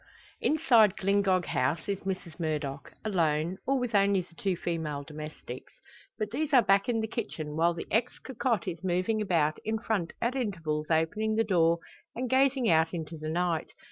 Inside Glyngog House is Mrs Murdock, alone, or with only the two female domestics. But these are back in the kitchen while the ex cocotte is moving about in front at intervals opening the door, and gazing out into the night.